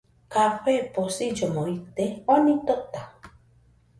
Café posillomo ite , oni tota